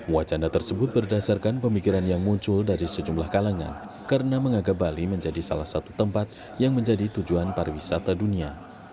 wacana tersebut berdasarkan pemikiran yang muncul dari sejumlah kalangan karena menganggap bali menjadi salah satu tempat yang menjadi tujuan pariwisata dunia